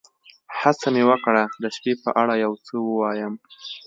هڅه مې وکړه د شپې په اړه یو څه ووایم.